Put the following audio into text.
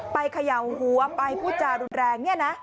ไปเขย่าหัวไปพูดจารุนแรงเนี่ยนะ